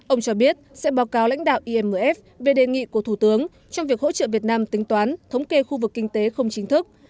ông cho biết sẽ báo cáo lãnh đạo imf về đề nghị của thủ tướng trong việc hỗ trợ việt nam tính toán thống kê khu vực kinh tế không chính thức